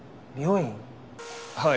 はい。